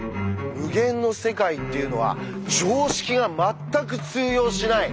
無限の世界っていうのは常識がまったく通用しない